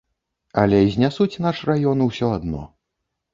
Але знясуць наш раён усё адно.